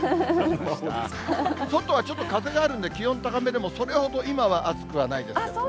外はちょっと風があるんで、気温高めでもそれほど今は暑くはないです。